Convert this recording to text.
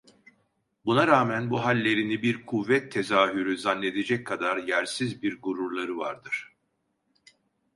Buna rağmen bu hallerini bir kuvvet tezahürü zannedecek kadar yersiz bir gururları vardır…